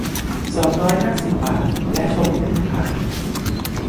สองร้อยห้าสิบ บาท และชมพิพิธภัณฑ์